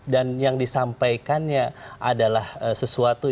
dan yang disampaikannya adalah sesuatu